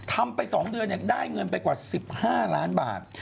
ทำไปสองเดือนยังได้เงินไปกว่าสิบห้าร้านบาท